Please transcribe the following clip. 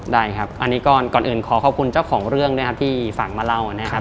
ได้ครับอันนี้ก่อนอื่นขอขอบคุณเจ้าของเรื่องด้วยครับที่ฝากมาเล่านะครับ